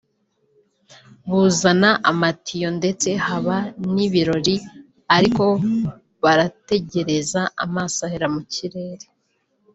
buzana amatiyo ndetse haba n’ibirori ariko barategereza amaso ahera mu kirere